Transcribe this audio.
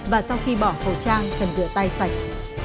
và sau khi bỏ khẩu trang cần rửa tay sạch